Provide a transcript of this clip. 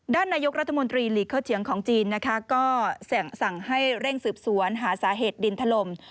ด้านนครรภ์ล่าจินส์ทางก็สั่งให้เร่งสืบสวนหาสาเหตุดินทะลม